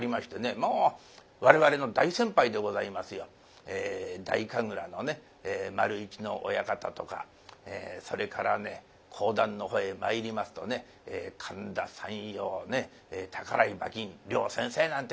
もう我々の大先輩でございますよ太神楽のね丸一の親方とかそれからね講談のほうへまいりますとね神田山陽宝井馬琴両先生なんてえのも強かったそうですね。